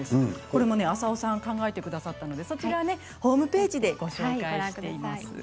これも浅尾さんが考えてくださったのでそちらはホームページでご紹介しています。